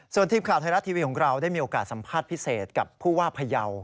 ส่วนทีมข่าวไทยรัฐทีวีของเราได้มีโอกาสสัมภาษณ์พิเศษกับผู้ว่าพยาว